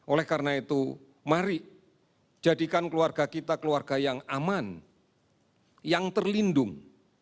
oleh karena itu mari jadikan keluarga kita keluarga yang aman yang terlindung